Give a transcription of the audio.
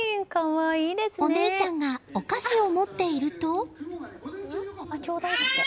お姉ちゃんがお菓子を持っていると。